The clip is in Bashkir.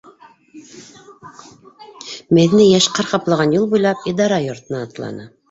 Мәҙинә йәш ҡар ҡаплаған юл буйлап идара йортона атланы.